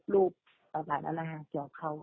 รูปหลายละนะฮะเกี่ยวกับเค้า